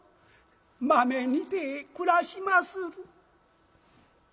「まめにて暮らしまする」。